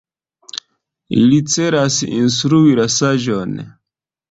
Ili celas instrui la Saĝon.